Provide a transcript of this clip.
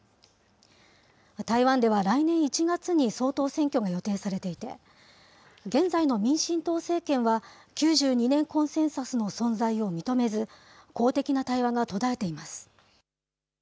台湾では来年１月に総統選挙が予定されていて、現在の民進党政権は、９２年コンセンサスの存在を認めず、公的な対話が途絶えています。